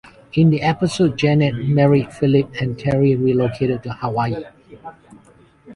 In the episode, Janet married Phillip, and Terri relocated to Hawaii.